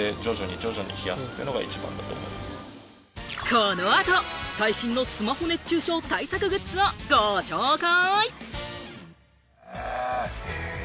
このあと最新のスマホ熱中症対策グッズをご紹介。